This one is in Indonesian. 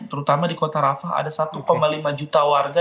terutama di kota rafah ada satu lima juta warga